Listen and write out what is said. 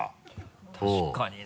確かにな。